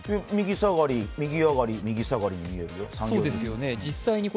右上がり、右下がりに見えるよ。